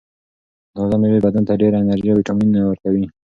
تازه مېوې بدن ته ډېره انرژي او ویټامینونه ورکوي.